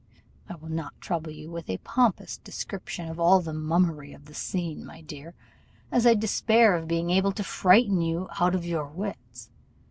I will not trouble you with a pompous description of all the mummery of the scene, my dear, as I despair of being able to frighten you out of your wits.